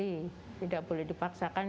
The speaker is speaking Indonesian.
tidak boleh dipaksakan tidak boleh dipaksakan